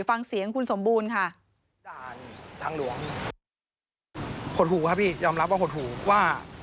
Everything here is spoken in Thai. ฟังเสียงคุณสมบูรณ์ค่ะ